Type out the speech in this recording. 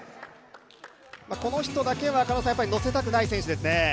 この人だけは乗せたくない選手ですね。